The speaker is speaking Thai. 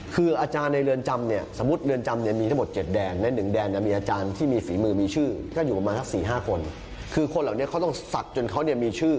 คือคนเหล่าเดียวเขาต้องสักจนเขามีชื่อ